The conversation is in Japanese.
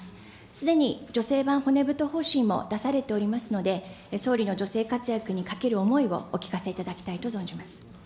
すでに女性版骨太方針も出されておりますので、総理の女性活躍にかける思いをお聞かせいただきたいと存じます。